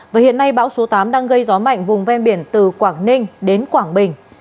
và hiện nay bão số tám đang gây gió mạnh vùng ven biển từ quảng ninh đến quảng bình